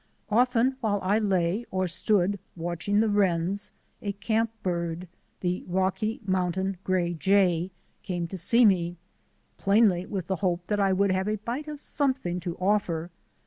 Often while I lay or stood watching the wrens, a camp bird — the Rocky Mountain gray jay — came to see me, plainly with the hope that I would have a bite of some thing to offer.